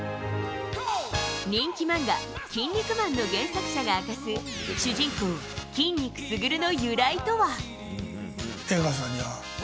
人気漫画「キン肉マン」の原作者が明かす主人公、キン肉スグルの由来とは。